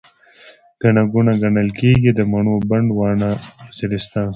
ګڼه ګوڼه، ګڼل کيږي، د مڼو بڼ، واڼه وزيرستان